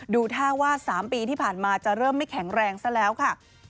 ดูท่าว่า๓ปีที่ผ่านมาจะเริ่มไม่แข็งแรงซะแล้วค่ะ